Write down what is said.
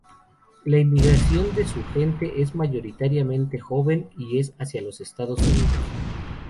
La emigración de su gente es mayoritariamente joven y es hacia los Estados Unidos.